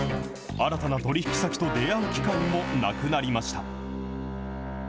新たな取り引き先と出会う機会もなくなりました。